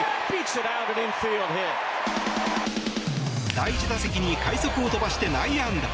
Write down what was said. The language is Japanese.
第１打席に快足を飛ばして内野安打。